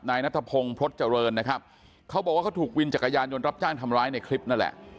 นายนัทพงศ์พฤษเจริญนะครับเขาบอกว่าเขาถูกวินจักรยานยนต์รับจ้างทำร้ายในคลิปนั่นแหละ